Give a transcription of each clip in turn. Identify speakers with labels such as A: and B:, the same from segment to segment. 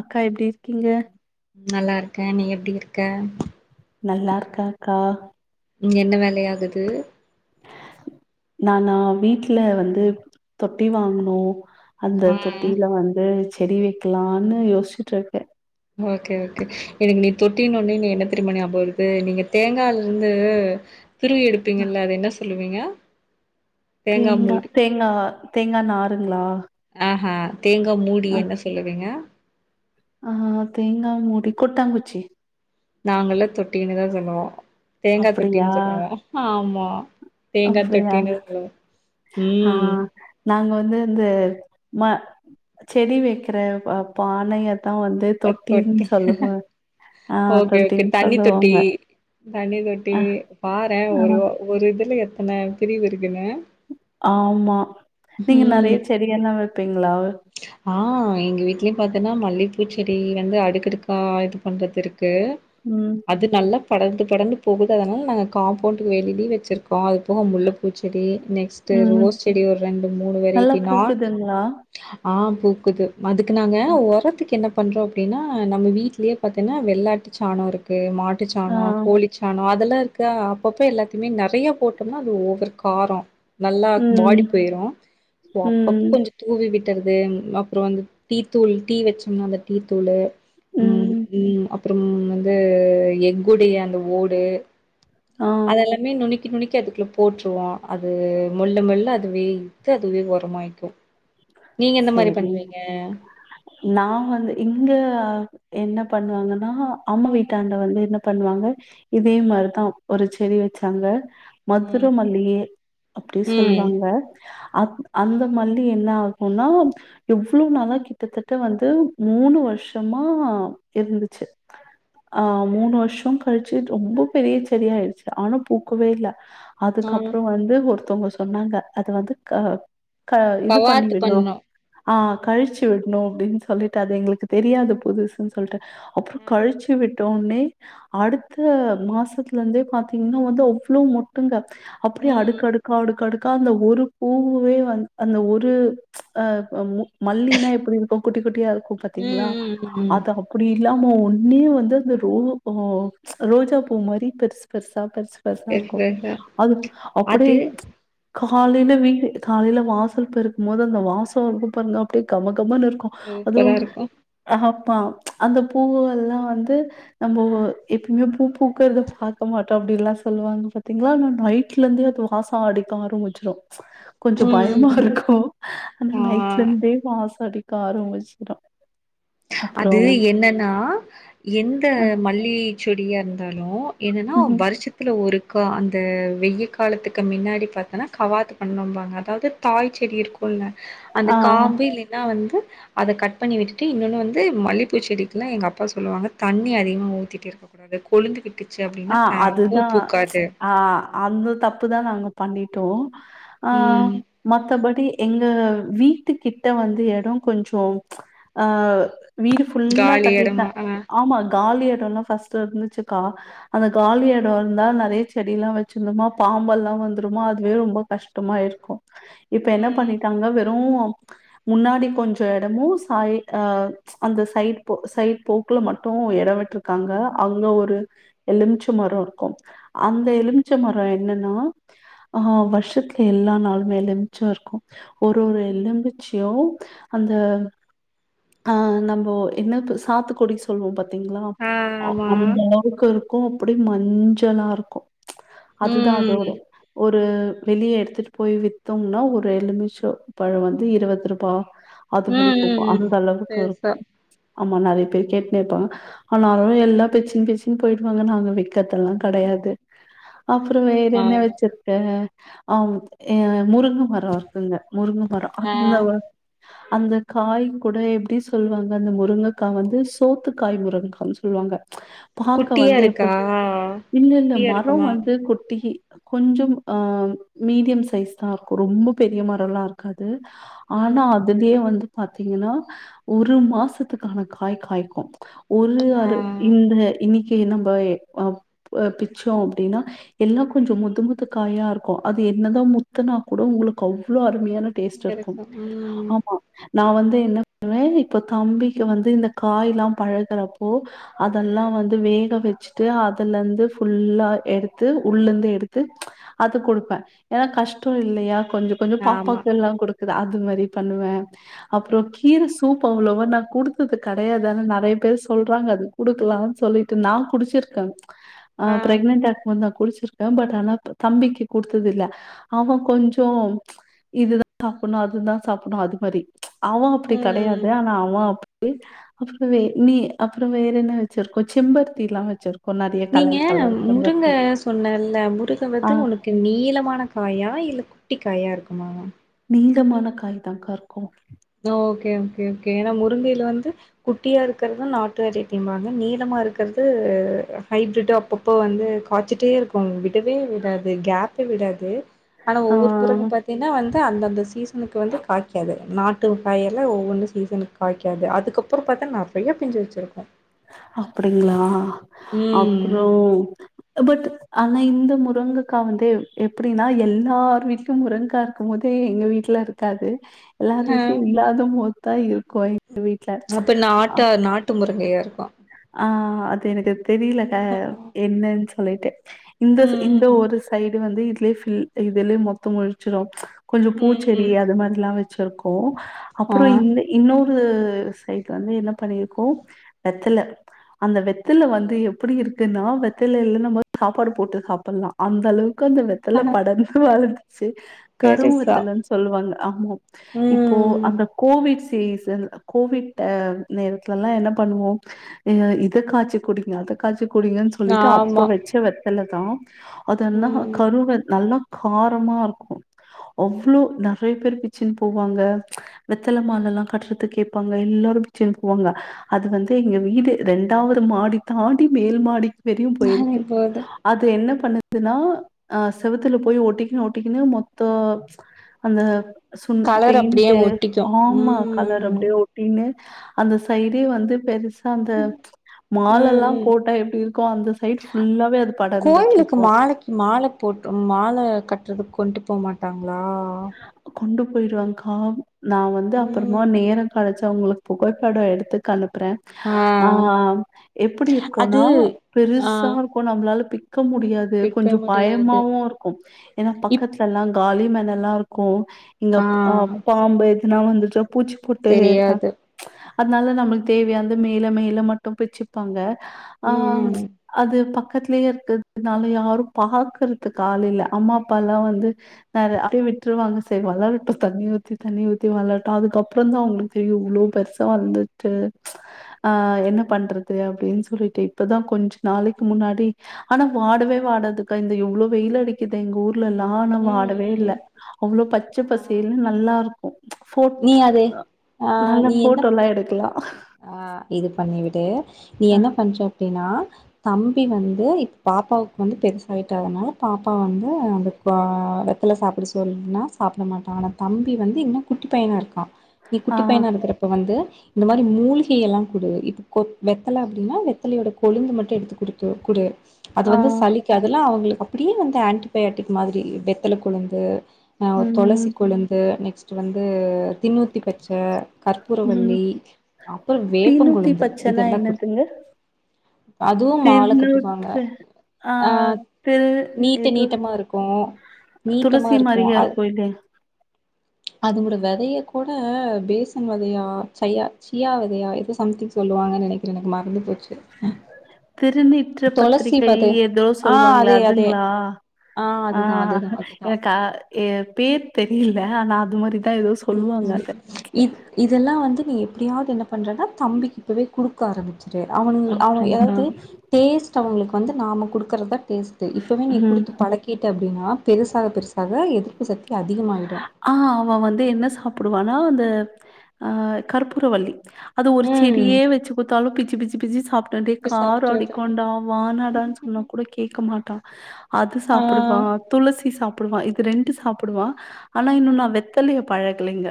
A: அக்கா எப்டி இருக்கீங்க
B: நல்லா இருக்க நீ எப்டி இருக்க
A: நல்லா இருக்காக்கா
B: இங்க என்ன வேல ஆகுது
A: நானா வீட்ல வந்து தொட்டி வாங்கினோ அந்த
B: ம்
A: தொட்டில வந்து செடி வைக்கலானு யோசிச்சுட்டு இருக்கே
B: ஓகே ஓகே எனக்கு நீ தொட்டின ஒன்னே நீ என்ன தெரியுமா நியாமகோ வருது நீங்க தேங்கால இருந்து துருவி எடுப்பீங்கள்ல அது என்ன சொல்லுவீங்க
A: தேங்கா தேங்கா தேங்கா நாரூங்களா
B: ஆஹா தேங்கா மூடிய என்ன சொல்லுவீங்க
A: அ தேங்கா மூடி கொட்டாங்குச்சி
B: நாங்கெல்லா தொட்டினுதா சொல்லுவோ தேங்கா
A: அப்டியா
B: தொட்டின்னு சொல்லுவோ ஆமா தேங்கா
A: அப்டியா
B: தொட்டின்னு சொல்ல
A: ஆ
B: ம்
A: நாங்க வந்து இந்த ம செடி வைக்கிற பானைய தா வந்து
B: அ
A: தொட்டின்னு
B: தொட்டி
A: சொல்லுவ
B: ஓகே ஓகே தண்ணி தொட்டி தண்ணி தொட்டி பாறே
A: ஆ,
B: ஒரு ஒரு இதுல எத்தன பிரிவு இருக்
A: ஆமா நீங்க நெறைய
B: ம்
A: செடியெல்லா வைப்பீங்களா
B: ஆ எங்க வீட்லயு பாத்தோன்னா மல்லிப்பூச்செடி வந்து அடுக்கடுக்கா இது பண்றது இருக் கு
A: ம்
B: அது நல்லா படர்ந்து படர்ந்து போகுது அதனால நாங்க காம்பவுண்டக்கு வெளில வெச்சிருக்கோ அது போக முல்ப்பூ செடி நெக்ஸ்ட்
A: ம்
B: ரோஸ் செடி ஒரு ரெண்டு மூணு வெரைட்டி நா
A: நா
B: அ பூக்குது அதுக்கு நாங்க ஒரத்துக்கு என்ன பண்றோ அப்டின்னா நம்ம வீட்லயே பாத்தீன்னா வெள்ளாட்டு சாணோ இருக்கு மாடு மாட்டு
A: ஆ
B: சாணோ கோழி சாணோ அதெல்லா க்க அப்பப்ப எல்லாத்தயுமே நெறைய போட்டோம்னா அது ஓவர் காரம் நல்லா
A: ம்
B: பாடி போயிரு அப்பப்ப
A: ம்
B: கொஞ்ச தூவி விட் றது அப்ற அந்த டீ தூள் டீ வச்சோம்னா அந்த டீ தூளு ம் அப் அப்ற வந்து எக்குடைய அந்த ஓடு
A: ஆ
B: அதெல்லாமே நுனிக்கி தக்கி நுனிக்கி அதுக்குள்ள போட்டுருவோ அது மொல்ல மொல்ல அதுவே இத்து அதுவே ஒரமாய்க்கு
A: செரி நா வந்து இங்க என்ன பண்ணுவாங்கன்னா அம்மா வீட்டாண்ட வந்து என்ன பண்ணுவாங்க இதே மாரிதா ஒரு செடி வச்சாங்க
B: ம்
A: மதுரமல்லி அப்டி
B: ம்.
A: சொல்லுவாங்க அந்த மல்லி என்னாகு ன்னா எவ்ளோ நாளா கிட்டத்தட்ட வந்து மூணு வருஷமா இருந்துச்சு
B: [inaudible]
A: ஆ மூணு வருஷ கழிச்சு ரொம்ப பெரிய செடியாயிடுச்சு ஆனா பூக்கவே இல்ல
B: ஆ
A: அதுக்கப்புற வந்து ஒருத்தவங்க சொன்னாங்க அது வந்து க க இது பண்ணி விட்
B: பண்ணு
A: ஆஹ் கழிச்சு விட்ணு அப்படின்னு சொல்லிட்டு அது எங்களுக்கு தெரியாது புதுசுன்னு சொல்ட்டு அப்புற
B: ஆ
A: கழிச்சு விட்டொன்னே அடுத்த மாசத்துல இருந்தே பாத்தீங்கன்னா வந்து அவ்ளோ மொட்டுங்க அப்டியே
B: ம்
A: அடுக்கடுக்கா அடுக்கடுக்கா அந்த ஒரு பூவே வந் அந்த ஒரு ஆ மு மல்லினா எப்டி இருக்கு குட்டி குட்டியா இருக் க்கு
B: ம்
A: பாத்தீங்ளா
B: ம் ம்
A: அது அப்டி இல்லாம ஒ ஒன்னே வந்து அந்த ரோ அ ரோஜா பூ மாரி பெருசு பெருசு சா பெருசு பெருசா
B: சரி
A: இருக்கு
B: சரி சரி
A: அது அப்டே
B: அது
A: காலைல வீடு காலைல வாசல் பெருக்குமோது அந்த வாசொ வர்து பாருங்க அப்டே கம கமனு இருக்கு அதுவு
B: சூப்பரா இருக்கு
A: அஹ ப்பா அந்த பூவு எல்லா வந்து நம்பொவு எப்பயுமே பூ பூக்கற்த பாக்க மாட்டோ அப்டி எல்லா சொல்லுவாங்க பாத்தீங்களா ஆனா நைட்ல இருந்தே அது வாசோ அடிக்கு ஆரம்பிச்சிறு கொஞ்சொ பயமா
B: ம்
A: இருக்கு ஆனா
B: ஆ
A: நைட்ல இருந்தே வாசோ அடிக் கார மிச்சிரு
B: அது என்னன்னா எந்த
A: ஆ
B: மல்லிச்செடியா இருந்தாலு என்னன்னா
A: ம்
B: வருஷத்துல ஒரு க அந்த வெய்யி காலத்துக்கு மின்னாடி பாத்தன்னா கவாத்து பண்ணோன்ம்பாங்க அதாவ து தாய் செடி இருக்குல்ல அந்த
A: ஆ ஆ
B: காம்பு இல்லைன்னா வந்து அத கட் பண்ணி விட்டுட்டு இன்னொன்னு வந் து மல்லிப்பூ செடிக்குல்லா எங்க அப்பா சொல்லுவாங்க தண்ணி அதிகமா ஊத்திட்டு இருக்கக் கூடாது கொலுந்துவிட்
A: ஆ அதுதா ஆ அந்த தப்பு ப்புதா நாங்க பண்ணிட்டோ ஆ
B: ம்
A: மத்தபடி டி எங்க வீட்டு கிட்ட வந்து எடொ கொஞ்சொ அ வீடு ஃபுல்லா
B: காலி
A: கட்டிட்டே
B: எடமா ஆ
A: ஆமா காலி எடொல்லா ஃபர்ஸ்ட்டு இருந்துச்சுக்கா அந்த காலி எடொ இருந்தா நெறைய செடில்லா வச்சிருந்தோமா பாம்பெல்லா வந்துருமா அதுவே ரொம்ப கஷ்டமா ஆயிருக்கு இப்ப என்ன
B: ம்
A: பண்ணிட்டாங்க வெறு முன்னாடி கொஞ்ச எடமும் சாய் அ அந்த சைட் போ சைட் போக்குல மட்டு டும் எடொ விட்ருக்காங்க அங்க ஒரு எலுச்ச மரோ இருக்கு அந்த
B: ம்
A: எலுமிச்ச மரொ எ என்னன்னா ஆ வருஷத்துல எல்லா நாளுமே எலுமிச்ச இருக்கு ஒரு ஒரு
B: ம்
A: எலும்பிச்சயு அந்த ஆ நம்பொ என்னத்த சாத்துக்கொடி சொல்லுவோ பாத் த்தீங்களா
B: ஆ
A: அ
B: ஆமா
A: அந்த அளவுக்கு இருக்கு அப்டே மஞ்சளா இருக்கு அதுதா
B: ம்
A: அதோட
B: ம்
A: ஒரு வெளிய எடுத்துட்டு போய் வித்தோம்னா ஒரு எலுமிச்ச பழ வந்து இருவத்ருபா அது மேரி
B: ம்
A: போகு
B: ம்
A: அந்த அளவுக்கு
B: பெருசா
A: இருக்கு ஆமா நறைய பேர் கேட்னே இருப்பாங்க ஆனாலு எல்லா பிச்சின் பிச்சின் போயிட் ன்னு நாங்க விக்கற்தெல்லா கெடையாது அப்புறம் வேற என்ன
B: ஆமா
A: வச்சிருக்கே ஆ ஏ முருங்க மரொ இருக்குங்க முருங்க மரொ
B: ஆ
A: அந்த அந்த காய் கூட எப்டி சொல்லுவாங்க அந்த முருங்கக்கா வந்து சோத்து காய் முருங்க்கான்னு சொல்வாங்க ங்க பாக்க
B: குட்டியா
A: வந்து எப்ப
B: இருக்கா
A: இல்ல இல்ல
B: குட்டியா
A: மரொ
B: இருக்குமா
A: வந்து குட்டி கொஞ்சம் ஆ மீடியம் சைஸ் தா இருக்கூ ரொம்ப பெரிய மரல்லா இருக்காது து
B: ம்
A: ஆனா அதுலயே வந்து பாத்தீங்கன்னா ஒரு மாசத்துக்கான காய் காய்க்கு ஒரு
B: ஆ
A: அரு இந்த இன்னிக்கி கி நம்ப எ அ பிச்சோ அப்டினா எல்லா கொஞ்ச முத்து முத்து காயாருக்கூ அது என்னதா முத்துனா கூட உங்ளுக்கு அவ்ளோ அருமையான டேஸ்ட் இருக்கும்
B: இருக்கு ம்
A: ஆமா நா வந்து என்ன பண்ணுவ இப்போ தம்பிக்கு வந்து இந்த காய்லா பழகறப்போ அதெல்லா வந்துவே க வச்சுட்டு அதுலந்து ஃபுல்லா எடுத்து உள்ளந்து எடுத்து அது குடுப்ப ஏனா கஷ்டோ இல்லையா கொஞ்ச கொஞ்ச
B: ஆமா
A: பாப்பாக்கெல்லா குடுக்குத அது மாரி பண்ணுவ அப்றோ
B: ம்
A: கீர சூப் போ அவ்ளவா நா குடுத்தது கெடையாது ஆனா நறைய பேர் சொல்றாங்க அது குடுக்கலான் சொல்லிட்டு ட்டு நா குடிச்சிருக்க அ
B: ஆ
A: ப்ரக்னட்டா இருக்கும்போது நா குடிச்சிருக்க பட் ஆனா தம்பிக்கு குடுத்தது இல்ல அவ கொஞ்சோ இதுதா பொண்ணா இருந்துந்தா சாப்டு அதுமாறி அவ அப்டி கெடையாது
B: ம்
A: ஆனா அவ அப்டி இ அப்ற வே நீ அப்ற வேறென்ன வச்சிருக்கோ செம்பருத்திலா வச்சிருக்கோ நெறைய
B: நீங்க
A: கலர் கலர்
B: முருங்க
A: செம்பருத்தி
B: சொன்னல முருங்க
A: ஆ
B: வந்து உனக்கு நீளமான காயா இல்ல குட்டிக்காயா இருக்குமா
A: நீளமான காய்தாக்காருக்கூ
B: கொழந்தைல வந்து குட்டியா இருக்கிறது நாட்டு வெரைட்டிம்பாங்க நீளமாருக்கறது ஹைப்ரிட் அப்பப்போ வந்து காய்ச்சிட்டேருக்கும் விடவே விடாது கேப்பே விடாது ஆனா ஒவ்வொரு
A: ஆ
B: முருங்க பாத்தீனா வந்து அந்தந்த சீசனுக்கு வந்து காய்க்காது நாட்டு ட்டு காயல்லா ஒவ்வொன்னு சீசனுக் காய்க்காது அதுக்கப்புற பாத்தா நறைய பிஞ்சு வச்சிருக்கூ
A: அப்டிங்ளா
B: ம்.
A: அப்புறம் பட் ஆனா இந்த முரங்கக்கா வந்து எப்டினா எல்லார் வீட்லியும் முரங்க்கா இருக்கும் போதே எங்க வீட்ல ல இருக்காது எல்லார்
B: அ
A: வீட்லியு இல்லாதபோத்தா இரு கோய் எ வீட்ல ஆ
B: பன்னியாருக்கூ
A: ஆ அது எனக்கு தெரில என்னன் சொல்லிட்டு இந்த
B: ம்,
A: இந்த
B: ம்,
A: ஒரு சைடு டி வந்து இதுலியே ஃபில் இதுலயே மொத்தம் மொழச்சிரு கொஞ்சம் பூச்செரி
B: ம்.
A: அது மாறிலா வச்சிருக்கோ
B: ஆ
A: அப்புறொ இந்த இன்னொரு ரு சைட் வந்து என்ன பண்ணிருக்கோ வெத்தல அந்த வெத்தல வந்து எப்பிடி இருக்குன்னா வெத்தளைல நம்ம சாப்பாடு போட்டு சாப்பல்லா அந்தளவு க்கு அந்த வெத்தள படந்து வளந்துச்சு கரு
B: பெருசா.
A: வெத்தளன் சொல்வாங்க ஆமா இப்போ
B: ம்.
A: அந்த கோவிட்ஸ் சீசன் கோவிட் அ நேரத்லலா என்ன பண்ணுவோ இத காச்சி குடிங்க அத காச்சி குடிங்கன் சொல்லிட்டு அப்ப
B: ஆமா.
A: வச்ச வெத்தளதா அதனா
B: ம்.
A: கரு வெ நல்லா காரமாருக்கூ அவ்ளோ நறைய பேர் பிச்சின் போவாங்க வெத்தள மாலல்லா கட்றதுக் கேப்பாங்க எல்லா லாரும் பிச்சின் போவாங்க அது வந்து எங்க வீடு ரெண்டாவது மாடி தாண்டி மேல் மாடிக் வரியு
B: நானே
A: போயிருக்கு
B: போது
A: அது என்ன பண்ண துனா அ செவுத்துல போய் ஒட்டிகினு ஒட்டிக்கினு மொத்தோ அந்த சுன்
B: கலர் அப்டியே
A: பெயிண்ட்டு
B: ஒட்டிக்கு
A: ஆம்மா கலர்
B: ம்
A: அப்டியே ஒட்டின்னு அந்த சைடே வந்து பெருசா அந்த
B: ம்
A: மாலலாம்
B: ம்
A: போட்டா எப்டிருக்கு அந்த சைடு ஃபுல்லாவே அது
B: கோயிலுக்கு
A: படர்ந்துட்டுருக்கூ
B: மாலைக்கு மால போட்டு மால கட்றதுக் கொண்ட் போ மாட்டாங்ளா
A: போயிருவங்க்கா நா வந்து அப்றமா
B: ம்
A: நேரங் கெழச்சா ஒங்களுக் புகைப்பட எடுத்துக்கனுப் ப்ற ஆ எப்டி
B: அது
A: இருக்குனா
B: ஆ
A: பெருசா இருக்கு நம்மளால பிக் க்க முடியாது
B: விக்க
A: கொஞ்சொ
B: முடியாது
A: பயமாவு இருக்கு ஏனா
B: இப்
A: பக்கத்துலல்லா காலி மெணலா இருக்கு இங்கப் ஆ பாம்பு எதுனா வந்துச்சா பூச்சிபொட்டு எதுனா
B: தெரியாது
A: அதுனால நம்ளுக் தேவையானது மேல மேல மட்டு பிச்சுப்பாங்க ஆங்
B: ம் ம்
A: அது ப பக்கத்துலியே இருக்கறதுனால யாரும் பாக்கறதுக் ஆளில்ல அம்மா அப்பாலா வந்து நெற அப்டியே விட் ட்டுருவாங்க செரி வளரட்டு தண்ணி ஊத்தி தண்ணி ஊத்தி வளரட்டு அதுக்கப்புறந்தா அவங்களுக் தெரியு இவ்ளோ பெருசா வளந்து த்து ஆ என்ன பண்றது அப்டின் சொல்லிட்டு இப்பதா கொஞ்சோ நாளைக்கு முன்னாடி ஆனா வாடவே வாடாதுக்கா இந்த இவ்ளோ வெயில் அடிக்குது எங்க ஊர் இல்ல லான
B: ம்
A: வாடவே இல்ல
B: ம்
A: அவ்ளோ பச்ச
B: ஆ
A: பசேல்ன் நல்லாருக்கு ஃபோட்
B: நீ அது ஆ
A: நல்லா
B: நீ என்ன
A: ஃபோட்டோலா எடுக்கலா
B: ஆ இது பண்ணிவிடு நீ
A: ஆ
B: என்ன பண்ற அப்டினா தம்பி வந்து இப்ப பாப்பாவுக்கு வந்து பெருசாய்ட்ட அதனால பாப்பா வந்து அந்த ஆ அ வெத்தல சாப்பட சொன்னா சாப்ட மாட்டா ஆனா தம்பி வந்து இன்னு குட்டி பையனாருக்கா நீ
A: ஆ
B: குட்டி பையனா இருக்குறப்ப வந்து இந்த மாரி மூலீகையெல்லா குடு இது கொ வெத்தல அப்டினா வெத்தலையோட கொழுந்து மட்டு எடுத்துக் இருக்கு கூடியது அது
A: ஆ
B: வந்து சளிக்கதுல்லா அவங்ளுக் அப்புடியே வந்து ஆன்டிபயாட்டிக் மாதிரி வெத்தல கொழுந்து அ
A: ம்
B: துளசி கொழுந்து நெக் நெக்ஸ்டு வந்து தின்னூத்தி பச்ச
A: ம்
B: கற்பூரவல்லி
A: தீநூத்தி பச்சன்னா
B: குடு
A: என்னாதுங்க
B: அதுவு மால கட்டுவாங்க
A: [unintelligible] ஆ து
B: நீட்ட
A: எது
B: நீட்டமா இருக்கு நீட்டமா
A: துளசி மாரியா
B: அ
A: இருக்கு இது
B: அதோட வெதைய கூட பேசன் வெதையா சாயா சியா வெதையா எதோ சம்திங் சொல்லுவாங்க நெனைக்கிறே எனக்கு மறந்து போச்சு
A: திருநீற்று
B: துளசி
A: பத்திரிகை
B: விதை
A: எதோ
B: ஆ
A: சொல்லுவாங்கள
B: அதே அதே
A: அதுங்ளா ஆ
B: அதுதா அதுதா அதுதா
A: எனக்கா ஏ பேர் தெரில ஆனா அது மாரி
B: ம் ம் இப் இதெல்லா வந்து நீ எப்டியாவது என்ன பண்றனா தம்பிக்கு இப்பவே குடுக்க ஆரம்பி செரி அவனுங்கள் அவ
A: அப்டிங்களா
B: எதாவ்து டேஸ்ட் அவுங்குளுக்கு வந்து நாம குடுக்கறத்தா டேஸ்டு இப்பவே நீ
A: ம்
B: குடுத்து பழக்கீட்ட அப்டினா பெருசாக பெருசாக எதிர்ப்பு சத்தி அதி
A: ஆ அவ வந்து என்ன சாப்டுவானா அந்த ஆ கற்பூரவல்லி அது ஒரு
B: ம்
A: செடியே வெச்சு குடுத்தாலு பிச்சு பிச்சு பிச்சு சாப்ட் டே
B: இப்ப
A: காரோ
B: சாப்ட்டு வருது
A: அடிக்குண்டா வானாடான் சொன்னா கூட கேக்க மாட்டா அது
B: ஆ
A: சாப்புடுவா துளசி சாப்புடுவா இது ரெண்டு சாப்புடுவா ஆனா இன்னு நா
B: ம்.
A: வெத்தலைய பழக்குலிங்க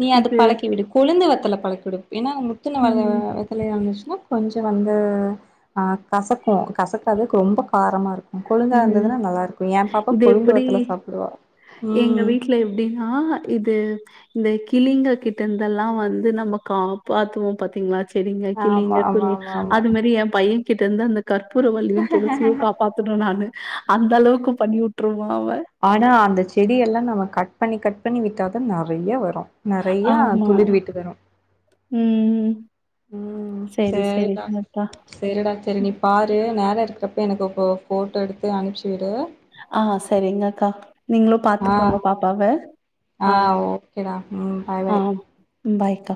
B: நீ அது பழக்கி விடு கொழுந்து வெத்தல பழக்குடு ஏனா முத்துன
A: ம்,
B: வெத்தலயாருந்துச்சுனா கொஞ்சோ வந்து கசக்கு கசக்கறதுக்கு ரொம்ப காரமா கொழுந்தா
A: ம்.
B: இருந்ததுனா நல்லாருக்கு எ பாப்பா
A: இது
B: கொழுந்து
A: எப்படி
B: வெத்தல சாப்புடுவா
A: எங்க வீட்ல எப்டினா இது இந்த கிளிங்க கிட்டருந்தெல்லா வந்து நம்ம காப்பாத்துவோ பாத்தீங்ளா செரிங்க
B: ஆமா
A: கிளிங்க
B: ஆமா
A: குருவி
B: ஆமா ஆமா
A: அது மாரி எ பையகிட்டருந்து அந்த கற்பூரவல்லியு துளசியு காப் நானு அந்த அளவுக்கு பண்ணிவுட்டுருவா
B: ஆனா அந்த செடியெல்லா நம்ம கட் பண்ணி கட் பண்ணி விட்டாதா நறைய வரு நறைய
A: ஆமா.
B: துளிர் விட்டு வரு
A: ம்.
B: ம்
A: சரி,
B: சேரிடா
A: சரிங்க அக்கா.
B: சேரிடா செரி நீ பாரு நேர இருக்கறப் இப்ப எனக்கு இப்போ போட்டோ எடுத்து அனுப்ச்சி விடு
A: ஆ செரிங்கக்கா நீங்ளு
B: ஆ
A: பாத்துக்கோங்க பாப்பாவ
B: ஆ
A: அ
B: ஓகேடா ம் பாய் பாய்
A: அ அ பாய்க்கா